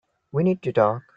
We need to talk.